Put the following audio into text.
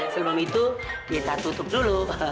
sebelum itu kita tutup dulu